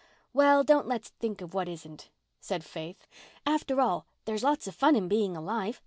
"Well, don't let's think of what isn't," said Faith. "After all, there's lots of fun in being alive.